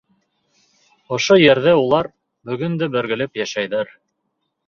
Ошо ерҙә улар бөгөн дә бергәләп йәшәйҙәр.